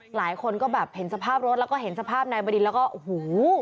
หลายคนก็แบบเห็นสภาพรถแล้วก็เห็นสภาพนายบดินแล้วก็โอ้โห